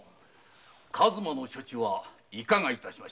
数馬の処置はいかがいたしましょう。